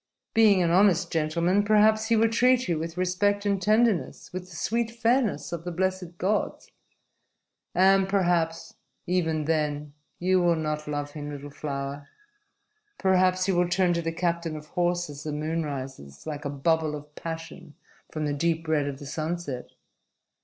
Being an honest gentleman, perhaps he will treat you with respect and tenderness, with the sweet fairness of the blessed gods. And perhaps even then you will not love him, little flower. "Perhaps you will turn to the captain of horse as the moon rises like a bubble of passion from the deep red of the sunset.